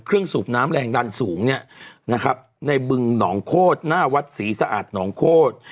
ของเครื่องสูบน้ำแรงดันสูงนะครับในบึงหนองโคศหน้าวัดสีสะอาดหนองโคศ